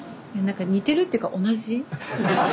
似てるっていうか同じ。